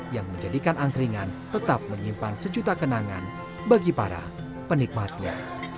yang menjadikan angkringan tetap menyimpan sejuta kenangan bagi para penikmatnya